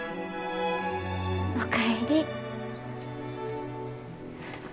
お帰り。